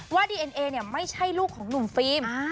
ว่าดีเอ็นเอเนี้ยไม่ใช่ลูกของหนุ่มฟิมอ่า